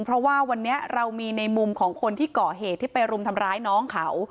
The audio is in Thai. เพราะว่าวันนี้เรามีในมุมของคนที่ก่อเหตุที่ไปรุมทำร้ายน้องเขา